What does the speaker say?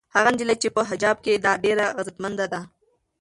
هغه نجلۍ چې په حجاب کې ده ډېره عزتمنده ده.